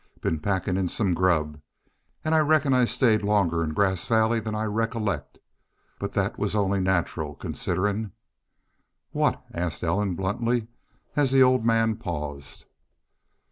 "Been packin' in some grub. An' I reckon I stayed longer in Grass Valley than I recollect. But thet was only natural, considerin' " "What?" asked Ellen, bluntly, as the old man paused.